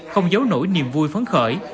không giấu nổi niềm vui phấn khởi